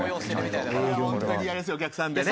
本当にやりやすいお客さんでね。